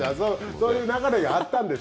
そういう流れがあったんです。